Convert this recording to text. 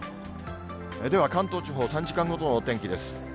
では、関東地方、３時間ごとのお天気です。